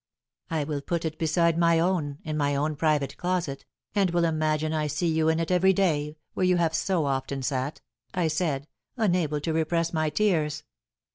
"I will put it beside my own, in my own private closet, and will imagine I see you in it every day, where you have so often sat," I said, unable to repress my tears.